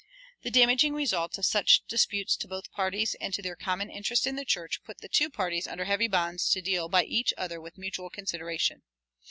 The damaging results of such disputes to both parties and to their common interest in the church put the two parties under heavy bonds to deal by each other with mutual consideration.